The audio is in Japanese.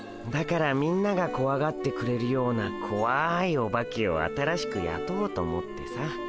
だからみんながこわがってくれるようなこわいオバケを新しくやとおうと思ってさ。